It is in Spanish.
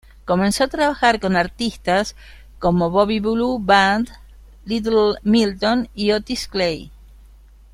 Comenzó a trabajar con artistas como Bobby "Blue" Bland, Little Milton y Otis Clay.